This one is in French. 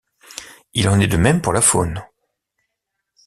Il en est de même pour la faune.